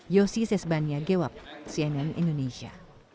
yosi sesbanya gwap cnn indonesia